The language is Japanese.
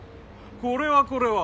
これはこれは。